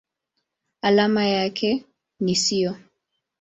Alama yake ni SiO.